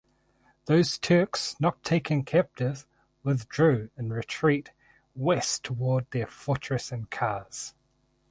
Those Turks not taken captive withdrew in retreat west toward their fortress in Kars.